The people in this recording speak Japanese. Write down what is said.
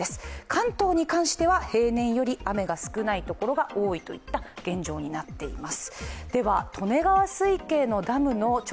関東に関しては平年より雨が少ないところが多いといった現状になっています。